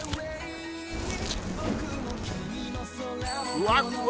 ふわふわ